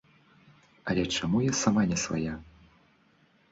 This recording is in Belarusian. Але чаму я сама не свая!